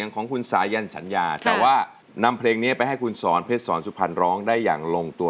ของคุณสายันสัญญาแต่ว่านำเพลงนี้ไปให้คุณสอนเพชรสอนสุพรรณร้องได้อย่างลงตัว